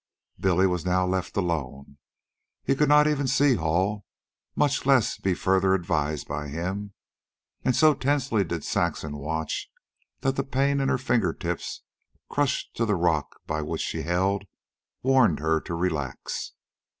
Billy was now left alone. He could not even see Hall, much less be further advised by him, and so tensely did Saxon watch, that the pain in her finger tips, crushed to the rock by which she held, warned her to relax.